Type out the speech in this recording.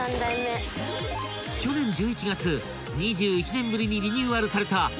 ［去年１１月２１年ぶりにリニューアルされた］